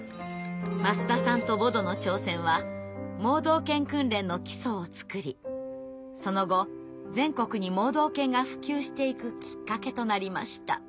舛田さんとボドの挑戦は盲導犬訓練の基礎を作りその後全国に盲導犬が普及していくきっかけとなりました。